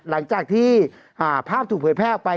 หลังจากที่ภาพถูกเผยแพร่ออกไป